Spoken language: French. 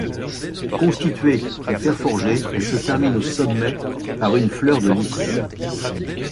Constituée de fer forgé, elle se termine au sommet par une fleur de lys.